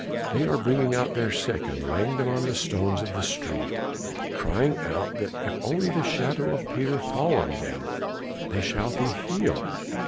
They are bringing out their sick and laying them on the stones of the street, crying out that if only the shadow of Peter fall on them they shall be healed."